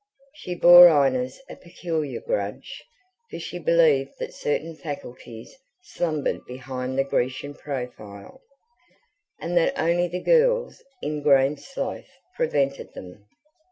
She bore Inez a peculiar grudge; for she believed that certain faculties slumbered behind the Grecian profile, and that only the girl's ingrained sloth prevented them.